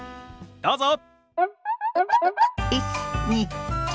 どうぞ！